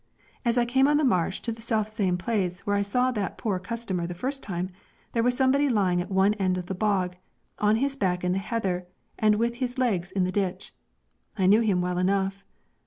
As I came on the marsh to the selfsame place where I saw that Poor customer the first time, there was somebody lying at one edge of the bog, on his back in the heather and with his legs in the ditch. I knew him well enough.